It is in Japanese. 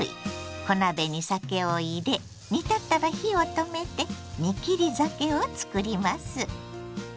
小鍋に酒を入れ煮立ったら火を止めて「煮切り酒」をつくります。